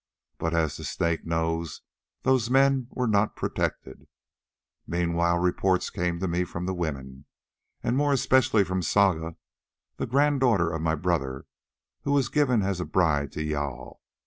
But, as the Snake knows, those men were not protected. Meanwhile reports came to me from the women, and more especially from Saga, the granddaughter of my brother, who was given as a bride to Jâl.